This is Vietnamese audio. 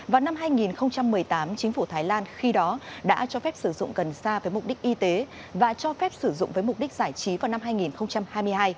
vào năm hai nghìn một mươi tám chính phủ thái lan khi đó đã cho phép sử dụng cần sa với mục đích y tế và cho phép sử dụng với mục đích giải trí vào năm hai nghìn hai mươi hai